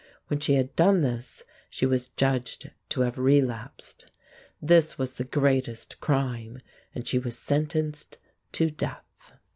When she had done this she was judged to have relapsed. This was the greatest crime, and she was sentenced to death.